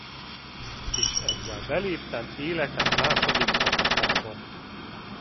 És ezzel beléptem életem második szakaszába.